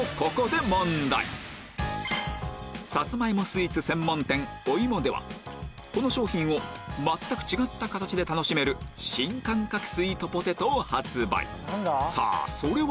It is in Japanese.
スイーツ専門店ＯＩＭＯではこの商品を全く違った形で楽しめる新感覚スイートポテトを発売